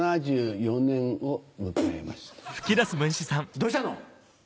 どうしたの？